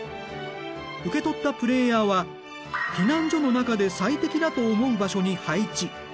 受け取ったプレイヤーは避難所の中で最適だと思う場所に配置。